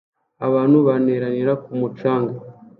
Abantu bateranira ku mucanga